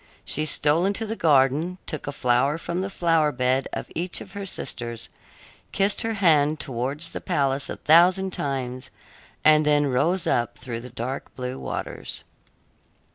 She stole into the garden, took a flower from the flower bed of each of her sisters, kissed her hand towards the palace a thousand times, and then rose up through the dark blue waters.